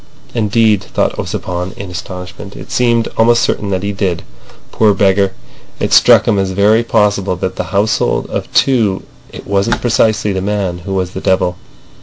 Indeed, thought Ossipon, in astonishment, it seemed almost certain that he did! Poor beggar! It struck him as very possible that of that household of two it wasn't precisely the man who was the devil.